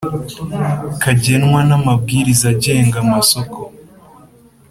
kagenwa n amabwiriza agenga amasoko